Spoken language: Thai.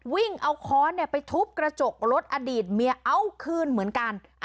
วิ่งเอาค้อนไปทุบกระจกรถอดีตเมียเอาคืนเหมือนกัน